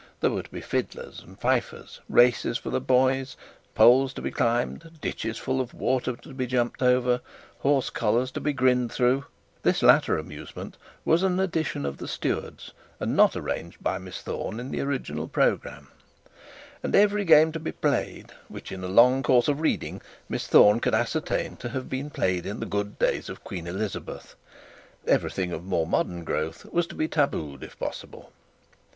There were to be fiddlers and fifers, races for the boys, poles to be climbed, ditches full of water to be jumped over, horse collars to be grinned through (this latter amusement was an addition of the stewards, and not arranged by Miss Thorne in the original programme), and every game to be played which, in a long course of reading, Miss Thorne could ascertain to have been played in the good days of Queen Elizabeth. Everything of more modern growth was to be tabooed, if possible.